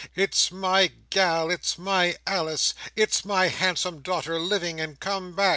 "It's my gal! It's my Alice! It's my handsome daughter, living and come back!"